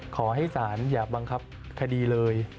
ขอให้ศาลอย่าบังคับคดีเลย